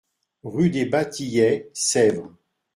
Rue des Bas Tillets, Sèvres